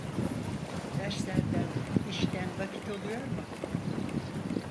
Derslerden, işten vakit oluyor mu?